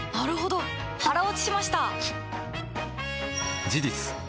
腹落ちしました！